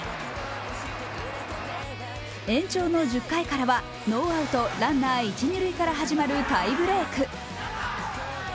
延長の１０回からはノーアウトランナー、一・二塁から始まるタイブレーク。